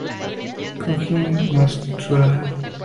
Koji Matsuura